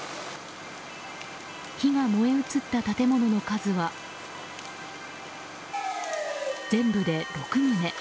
火が燃え移った建物の数は全部で６棟。